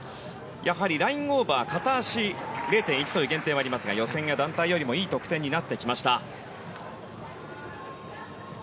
やはりラインオーバー片足０．１という減点はありますが予選や団体よりいい得点になってきました。